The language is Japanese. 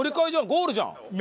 ゴールじゃん。